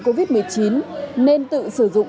covid một mươi chín nên tự sử dụng